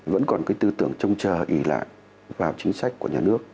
vẫn còn cái tư tưởng trông chờ ỉ lại vào chính sách của nhà nước